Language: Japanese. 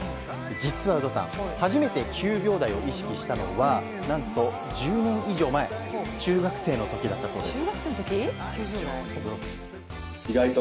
実は初めて９秒台を意識したのは何と１０年以上前中学生の時だったそうです。